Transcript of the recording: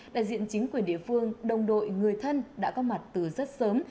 đại diện chính quyền địa phương đồng đội người thân đã có mặt từ rất sớm